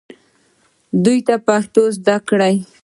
دوی ته پښتو زده کړئ